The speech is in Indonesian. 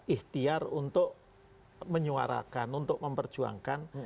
ikhtiar untuk menyuarakan untuk memperjuangkan